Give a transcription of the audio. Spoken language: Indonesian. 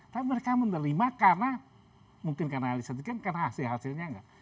tapi mereka menerima karena mungkin karena ali sadikin karena hasil hasilnya enggak